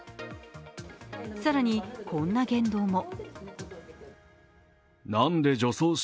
更にこんな言動も。